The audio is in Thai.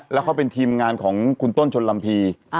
แล้วเขาเป็นทีมงานของคุณต้นชนลำพี